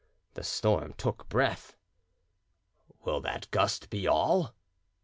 The storm took breath. "Will that gust be all?"